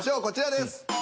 こちらです。